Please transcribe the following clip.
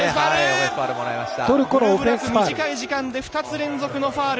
グルブラク、短い時間で２つ連続のファウル。